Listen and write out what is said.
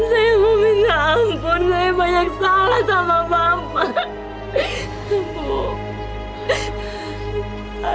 saya mau minta ampun saya banyak salah sama bapak